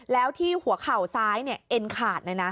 แล้วที่หัวเข่าซ้ายเอ็นขาดเลยนะ